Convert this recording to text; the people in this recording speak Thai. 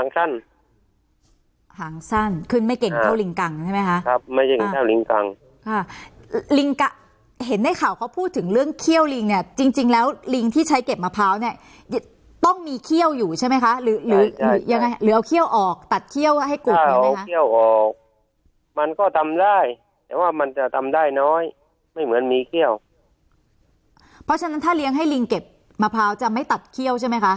ถ้าลิงกังอ่าลิงกะเห็นในข่าวเขาพูดถึงเรื่องเขี้ยวลิงเนี่ยจริงจริงแล้วลิงที่ใช้เก็บมะพร้าวเนี่ยต้องมีเขี้ยวอยู่ใช่ไหมคะหรือหรือยังไงหรือเอาเขี้ยวออกตัดเขี้ยวให้กลุ่มยังไงคะถ้าเอาเขี้ยวออกมันก็ทำได้แต่ว่ามันจะทำได้น้อยไม่เหมือนมีเขี้ยวเพราะฉะนั้นถ้าเลี้